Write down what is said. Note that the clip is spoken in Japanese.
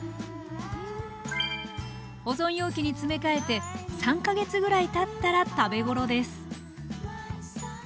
保存容器に詰め替えて３か月ぐらいたったら食べごろです